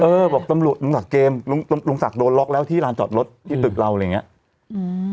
เออบอกตำรวจลุงศักดิ์เกมลุงลุงศักดิ์โดนล็อกแล้วที่ลานจอดรถที่ตึกเราอะไรอย่างเงี้ยอืม